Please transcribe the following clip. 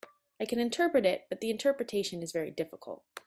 I can interpret it, but the interpretation is very difficult.